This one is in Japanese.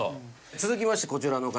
続きましてこちらの方。